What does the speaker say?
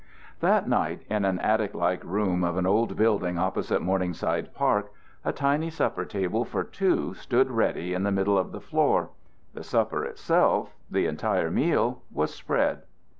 III That night in an attic like room of an old building opposite Morningside Park a tiny supper table for two stood ready in the middle of the floor; the supper itself, the entire meal, was spread.